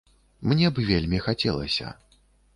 Мне б вельмі хацелася.